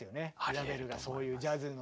ラヴェルがそういうジャズの。